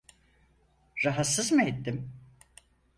Rahatsız mı ettim?